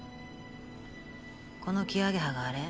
このキアゲハがあれ？